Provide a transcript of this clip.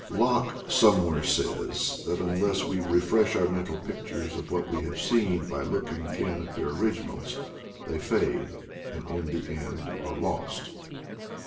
Locke somewhere says that unless we refresh our mental pictures of what we have seen by look ing again at their originals, they fade, and in the end are lost.